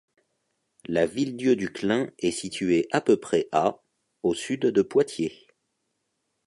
La Villedieu-du-Clain est située à peu près à au sud de Poitiers.